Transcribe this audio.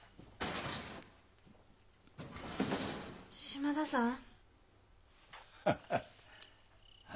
島田さん。